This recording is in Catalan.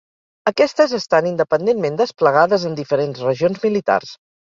Aquestes estan independentment desplegades en diferents regions militars.